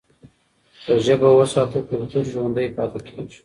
که ژبه وساتو، کلتور ژوندي پاتې کېږي.